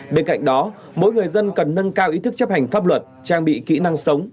bên cạnh đó mỗi người dân cần nâng cao ý thức chấp hành pháp luật trang bị kỹ năng sống